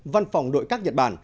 văn phòng đội các nhật bản